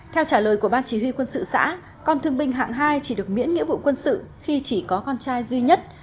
theo trả lời của ban chỉ huy quân sự xã con thương binh hạng hai chỉ được miễn nghĩa vụ quân sự khi chỉ có con trai duy nhất